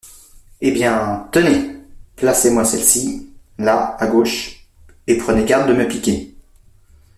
Eh bien… tenez… placez-moi celle-ci… là, à gauche… et prenez garde de me piquer.